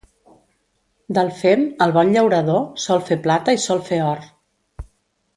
Del fem, el bon llaurador, sol fer plata i sol fer or.